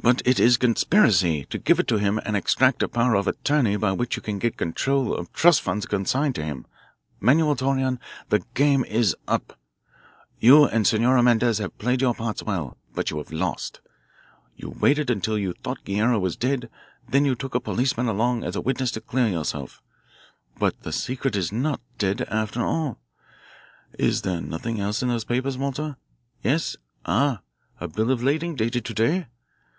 "But it is conspiracy to give it to him and extract a power of attorney by which you can get control of trust funds consigned to him. Manuel Torreon, the game is up. You and Senora Mendez have played your parts well. But you have lost. You waited until you thought Guerrero was dead, then you took a policeman along as a witness to clear yourself. But the secret is not dead, after all. Is there nothing else in those papers, Walter? Yes? Ah, a bill of lading dated to day?